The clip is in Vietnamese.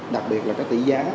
đặc biệt là tỷ giá